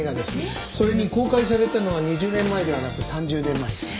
それに公開されたのは２０年前ではなく３０年前です。